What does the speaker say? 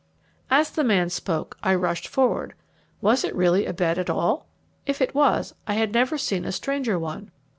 As the man spoke I rushed forward. Was it really a bed at all? If it was, I had never seen a stranger one.